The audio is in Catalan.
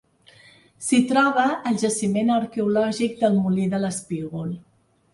S'hi troba el jaciment arqueològic del Molí de l'Espígol.